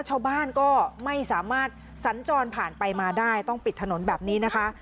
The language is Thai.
ชาวบ้านก็ไม่สามารถสัญจรผ่านไปมาได้ต้องปิดถนนแบบนี้นะคะ